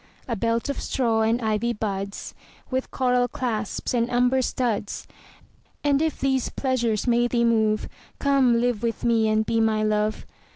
A belt of straw and ivy buds With coral clasps and amber studs: And if these pleasures may thee move, Come live with me and be my Love.